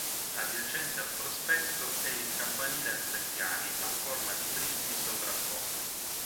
Adiacente al prospetto è il campanile a tre piani a forma di prismi sovrapposti.